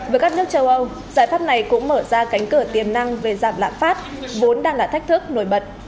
với các nước châu âu giải pháp này cũng mở ra cánh cửa tiềm năng về giảm lạm phát vốn đang là thách thức nổi bật